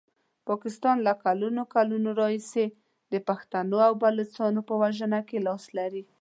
پاکستان له کلونو کلونو راهیسي د پښتنو او بلوڅو په وژنه کې لاس لري.